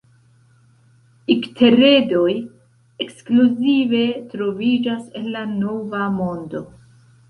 Ikteredoj ekskluzive troviĝas en la Nova Mondo.